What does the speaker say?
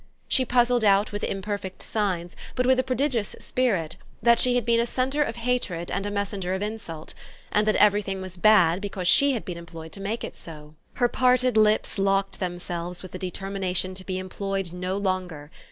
She puzzled out with imperfect signs, but with a prodigious spirit, that she had been a centre of hatred and a messenger of insult, and that everything was bad because she had been employed to make it so. Her parted lips locked themselves with the determination to be employed no longer.